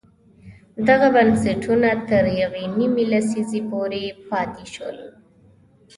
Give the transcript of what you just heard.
دغه بنسټونه تر یوې نیمې لسیزې پورې پاتې شول.